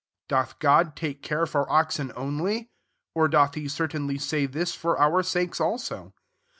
Doth God take care for oxen only .? 10 Or doth lie certainly say tHn for our >akea aho